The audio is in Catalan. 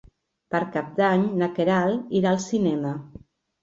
Per Cap d'Any na Queralt irà al cinema.